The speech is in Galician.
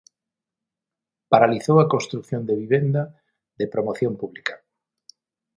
Paralizou a construción de vivenda de promoción pública.